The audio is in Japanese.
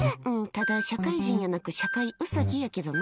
ただ社会人やなく社会ウサギやけどな。